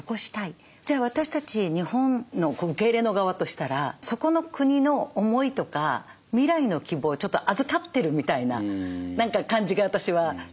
じゃあ私たち日本の受け入れの側としたらそこの国の思いとか未来の希望をちょっと預かってるみたいな何か感じが私はちょっとあって。